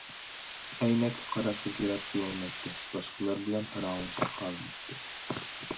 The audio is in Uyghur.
ئەينەككە قاراشقا جۈرئەت قىلالمايتتى، باشقىلار بىلەن پاراڭلىشىشنى خالىمايتتى.